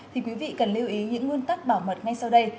thì quý vị cần lưu ý những nguyên tắc bảo mật ngay sau đây